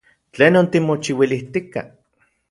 ¿Tlenon timochiuilijtika?